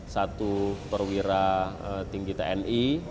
satu perwira tinggi tni